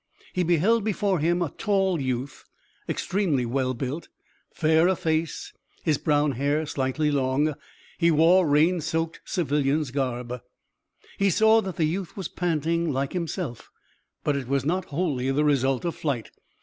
He beheld before him a tall youth, extremely well built, fair of face, his brown hair slightly long. He wore rain soaked civilian's garb. He saw that the youth was panting like himself, but it was not wholly the result of flight.